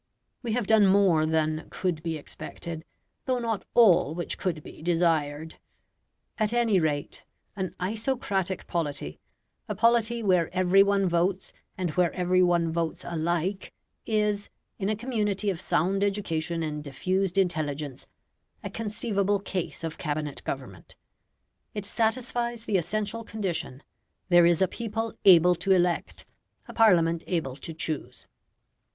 We have done more than could be expected, though not all which could be desired. At any rate, an isocratic polity a polity where every one votes, and where every one votes alike is, in a community of sound education and diffused intelligence, a conceivable case of Cabinet government. It satisfies the essential condition; there is a people able to elect, a Parliament able to choose.